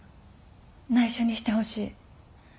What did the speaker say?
内緒にしてほしい。